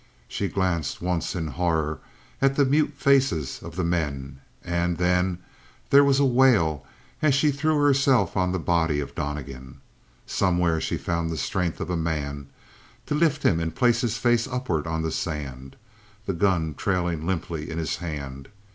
She glanced once, in horror, at the mute faces of the men, and then there was a wail as she threw herself on the body of Donnegan. Somewhere she found the strength of a man to lift him and place him face upward on the sand, the gun trailing limply in his hand.